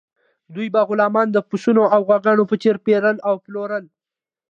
دوی به غلامان د پسونو او غواګانو په څیر پیرل او پلورل.